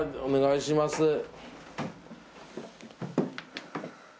お願いします。